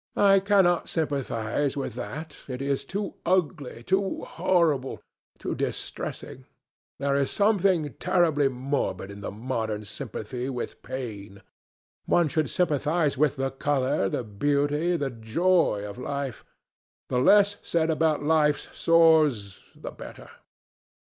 "I cannot sympathize with that. It is too ugly, too horrible, too distressing. There is something terribly morbid in the modern sympathy with pain. One should sympathize with the colour, the beauty, the joy of life. The less said about life's sores, the better."